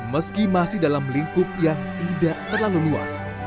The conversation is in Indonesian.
meski masih dalam lingkup yang tidak terlalu luas